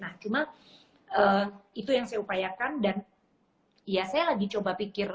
nah cuma itu yang saya upayakan dan ya saya lagi coba pikir